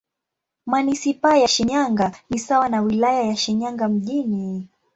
Manisipaa ya Shinyanga ni sawa na Wilaya ya Shinyanga Mjini.